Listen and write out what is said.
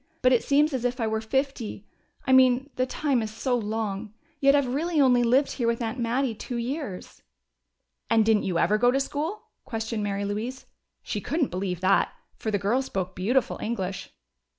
"But it seems as if I were fifty. I mean the time is so long. Yet I've really only lived here with Aunt Mattie two years." "And didn't you ever go to school?" questioned Mary Louise. She couldn't believe that, for the girl spoke beautiful English.